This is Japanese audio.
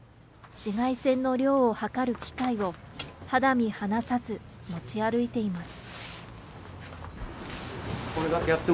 紫外線の量を量る機械を、肌身離さず持ち歩いています。